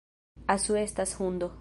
Asu estas hundo